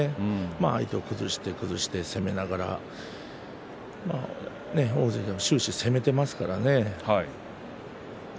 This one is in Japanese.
相手を崩して攻めながら大関を終始攻めています。